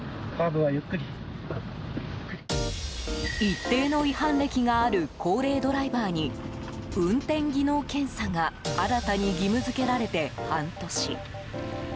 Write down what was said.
一定の違反歴がある高齢ドライバーに運転技能検査が新たに義務付けられて半年。